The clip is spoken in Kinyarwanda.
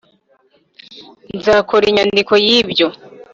nzakora inyandiko yibyo.